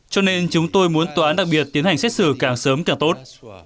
cho nên chúng tôi muốn tòa án đặc biệt tiến hành xét xử càng sớm càng tốt